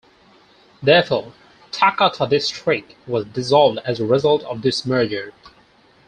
Therefore, Takata District was dissolved as a result of this merger.